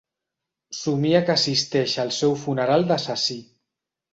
Somia que assisteix al seu funeral d'assassí.